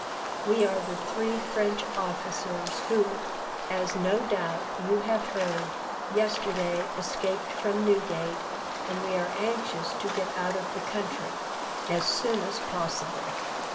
We are the three French officers who, as no doubt you have heard, yesterday escaped from Newgate, and we are anxious to get out of the country as soon as possible.